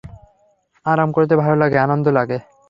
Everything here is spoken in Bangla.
আমার করতে ভালো লাগে, আনন্দ লাগে।